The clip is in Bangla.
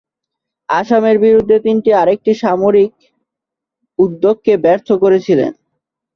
আসামের বিরুদ্ধে তিনি আরেকটি সামরিক উদ্যোগকে ব্যর্থ করেছিলেন।